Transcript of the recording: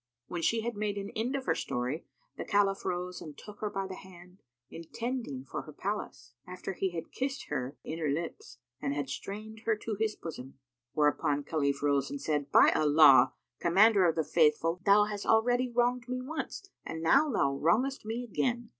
When she had made an end of her story, the Caliph rose and took her by the hand, intending for her palace, after he had kissed her inner lips, and had strained her to his bosom; whereupon Khalif rose and said, "By Allah, O Commander of the Faithful! Thou hast already wronged me once, and now thou wrongest me again."